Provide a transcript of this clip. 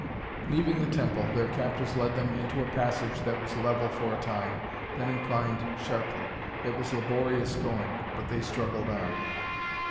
Leaving the temple, their captors led them into a passage that was level for a time, then inclined sharply. It was laborious going but they struggled on.